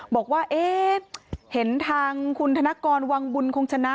บอกว่าเอ๊ะเห็นทางคุณธนกรวังบุญคงชนะ